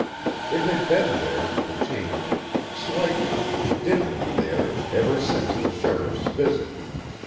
It had been there the change, slightly, dimly there, ever since the sheriff's visit.